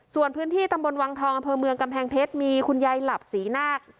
ส่วนพื้นที่ตำบลวังทองอำเภอเมืองกำแพงเพชรมีคุณยายหลับศรีนาค